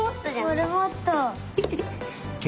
モルモット。